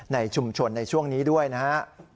ในชุมชนในช่วงนี้ด้วยนะฮะ